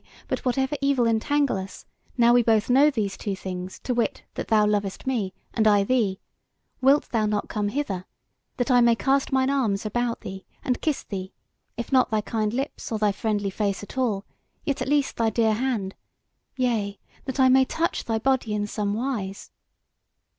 But whatever evil entangle us, now we both know these two things, to wit, that thou lovest me, and I thee, wilt thou not come hither, that I may cast mine arms about thee, and kiss thee, if not thy kind lips or thy friendly face at all, yet at least thy dear hand: yea, that I may touch thy body in some wise?"